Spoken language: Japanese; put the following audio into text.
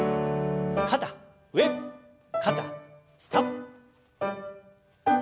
肩上肩下。